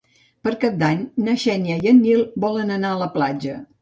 Per Cap d'Any na Xènia i en Nil volen anar a la platja.